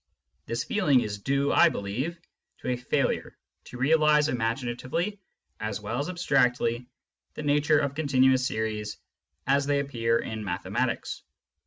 This feeling is due, I believe, to a failure to realise imaginatively, as well as abstractly, the nature of con tinuous series as they appear in mathematics.